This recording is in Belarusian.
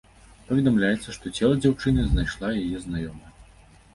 Паведамляецца, што цела дзяўчыны знайшла яе знаёмая.